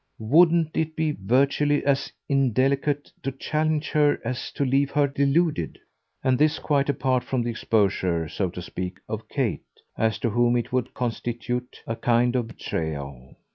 Wouldn't it be virtually as indelicate to challenge her as to leave her deluded? and this quite apart from the exposure, so to speak, of Kate, as to whom it would constitute a kind of betrayal.